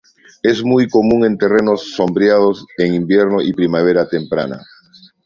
Es muy común en terrenos sombreados en invierno y primavera temprana.